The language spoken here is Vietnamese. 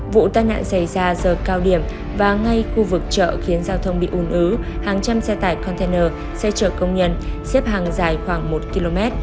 vụ tai nạn xảy ra giờ cao điểm và ngay khu vực chợ khiến giao thông bị ùn ứ hàng trăm xe tải container xe chở công nhân xếp hàng dài khoảng một km